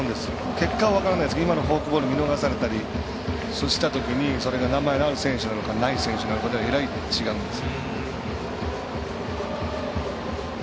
結果は分からないですけど今のフォークボール見逃されたりしたときにそれが名前のある選手なのかない選手なのかではえらい違うんです。